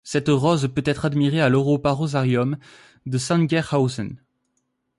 Cette rose peut être admirée à l'Europa-Rosarium de Sangerhausen.